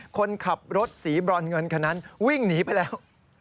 คนขับรถสีบรอนเงินคนนั้นวิ่งหนีไปแล้ว